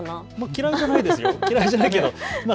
嫌いじゃないですよ。